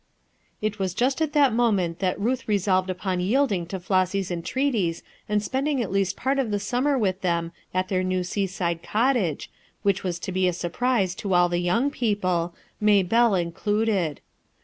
It was just at that moment that Ruth resolved upon yielding to Flossy's entreaties and spend ing at least part of the summer with, them at their new seaside cottage, which was to be a surprise to all the young people, Maybelle PUZZLING QUESTIONS 303 included.